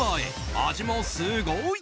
味もすごい！